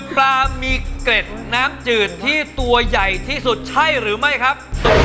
ปลากะโฮนะครับ